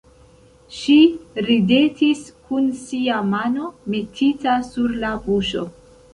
Ŝi ridetis kun sia mano metita sur la buŝo.